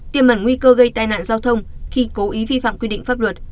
tiềm mẩn nguy cơ gây tai nạn giao thông khi cố ý vi phạm quy định pháp luật